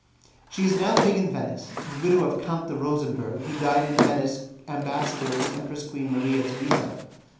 She is now living in Venice, the widow of Count de Rosenberg, who died in Venice ambassador of the Empress Queen Maria Theresa.